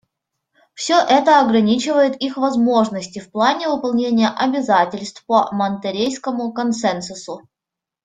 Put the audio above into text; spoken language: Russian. Все это ограничивает их возможности в плане выполнения обязательств по Монтеррейскому консенсусу.